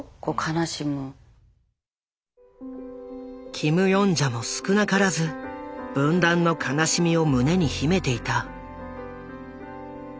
キム・ヨンジャも少なからず分断の悲しみを胸に秘めていた。